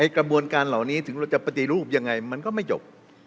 กระบวนการเหล่านี้ถึงเราจะปฏิรูปยังไงมันก็ไม่จบ